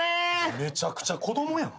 めちゃくちゃ子供やん。